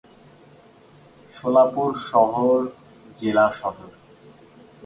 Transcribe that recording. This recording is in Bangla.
সোলাপুর শহর জেলা সদর।